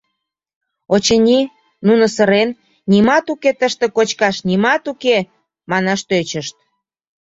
Очыни, нуно сырен, «нимат уке, тыште кочкаш нимат уке!» манаш тӧчышт.